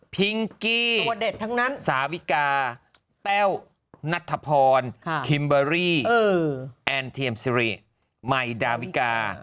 พิงกี้สาวิกาแป้วนัทธพรคิมเบอรี่แอนทีมซีรีส์มายดาวิกา